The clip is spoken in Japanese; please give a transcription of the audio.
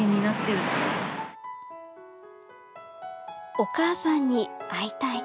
お母さんに会いたい。